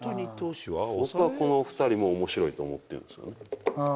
僕はこの２人もおもしろいと思ってるんですよね。